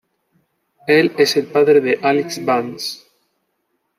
Él es el padre de Alyx Vance.